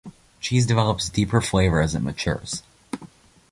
The cheese develops deeper flavours as it matures.